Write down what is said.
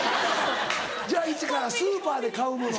じゃあイチから「スーパーで買うもの」。